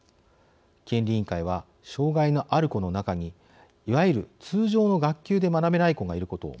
権利委員会は障害のある子の中にいわゆる通常の学級で学べない子がいることを問題視。